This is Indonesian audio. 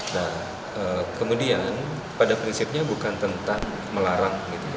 nah kemudian pada prinsipnya bukan tentang melarang